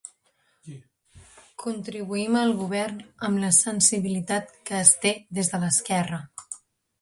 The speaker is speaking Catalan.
Contribuïm al govern amb la sensibilitat que es té des de l'esquerra.